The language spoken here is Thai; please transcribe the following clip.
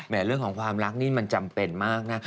เรื่องของความรักนี่มันจำเป็นมากนะ